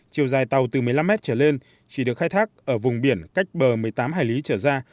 chiều dài tàu từ một mươi năm mét trở lên chỉ được khai thác ở vùng biển cách bờ một mươi tám hải lý trở ra